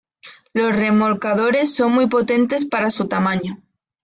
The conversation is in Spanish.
Los remolcadores son muy potentes para su tamaño.